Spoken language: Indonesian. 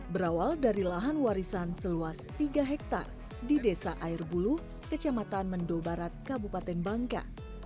berawal dari lahan warisan seluas tiga hektare di desa airbulu kecamatan mendo barat kabupaten bangka